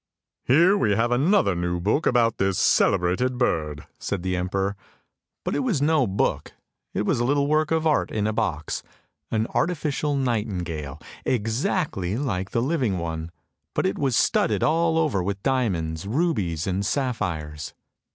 " Here we have another new book about this celebrated bird," said the emperor. But it was no book, it was a little work of art in a box, an artificial nightingale, exactly like the living one, but it was studded all over with diamonds, rubies, and sapphires.